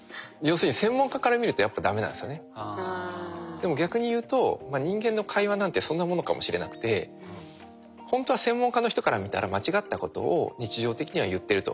でも逆に言うと人間の会話なんてそんなものかもしれなくてほんとは専門家の人から見たら間違ったことを日常的には言ってると。